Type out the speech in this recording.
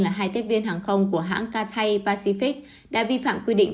là hai tiết viên hàng không của hãng cathay pacific đã vi phạm quy định